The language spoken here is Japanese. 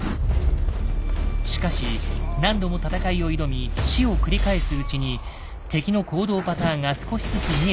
しかし何度も戦いを挑み死を繰り返すうちに敵の行動パターンが少しずつ見えてくる。